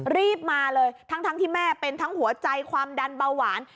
รีบมาเลยทั้งที่แม่เป็นทั้งหัวใจความดันเบาหวาน